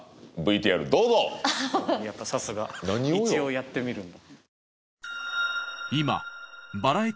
やっぱさすが一応やってみるんだ。